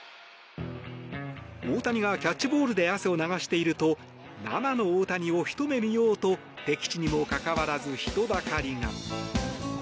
大谷がキャッチボールで汗を流していると生の大谷をひと目見ようと適地にもかかわらず人だかりが。